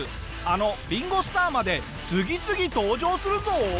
あのリンゴ・スターまで次々登場するぞ！